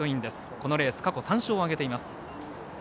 このレース過去３勝を挙げています。